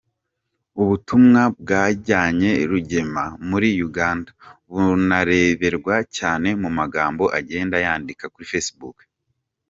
Ubutumwa bwajyanye Rugema muri Uganda, bunareberwa cyane mu magambo agenda yandika kuri Facebook.